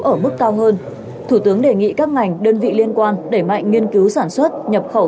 ở mức cao hơn thủ tướng đề nghị các ngành đơn vị liên quan đẩy mạnh nghiên cứu sản xuất nhập khẩu